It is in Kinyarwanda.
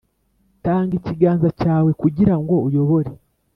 tanga ikiganza cyawe kugirango uyobore